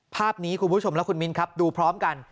ภาพนี้คุณผู้ชมและคุณมิ้นครับดูพร้อมกัน